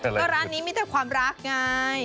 ก็ร้านนี้มีแต่ความรักไง